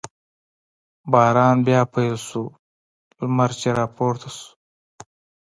باران بیا پیل شو، لمر چې را پورته شو.